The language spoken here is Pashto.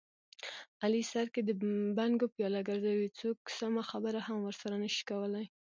علي سر کې د بنګو پیاله ګرځوي، څوک سمه خبره هم ورسره نشي کولی.